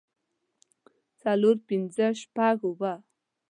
څلور پنځۀ شپږ اووه